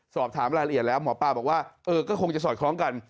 สอบถามรายละเอียดแล้วหมอปลาบอกว่าเออก็คงจะสอดคล้องกัน